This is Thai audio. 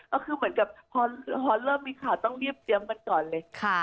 เหมือนกับพอมีข่าวต้องเรียบเตรียมกันก่อนเลย